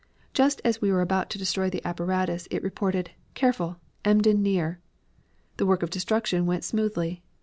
Just as we were about to destroy the apparatus it reported 'Careful. Emden near.' The work of destruction went smoothly.